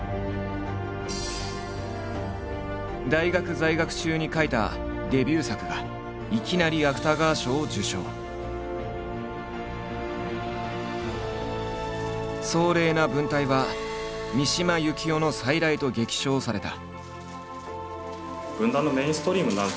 大学在学中に書いたデビュー作がいきなり壮麗な文体は「三島由紀夫の再来」と激賞された。